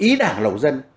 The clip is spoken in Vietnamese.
ý đảng lầu dân